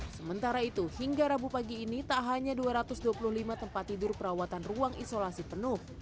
sementara itu hingga rabu pagi ini tak hanya dua ratus dua puluh lima tempat tidur perawatan ruang isolasi penuh